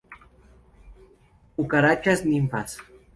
Cucarachas ninfas.